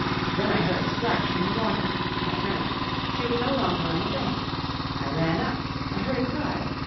Then I heard a splash in the water. I turned. She was no longer on the bank. I ran up. I heard a cry.